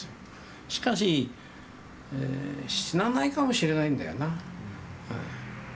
しかし死なないかもしれないんだよな。